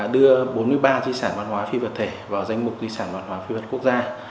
đưa bốn mươi ba di sản văn hóa phi vật thể vào danh mục di sản văn hóa phi vật quốc gia